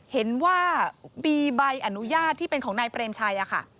เห็นว่ามีใบอนุญาตที่เป็นของนายเปรมชัยค่ะ